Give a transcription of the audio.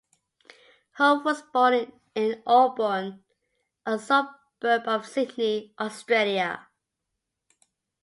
Hough was born in Auburn, a suburb of Sydney, Australia.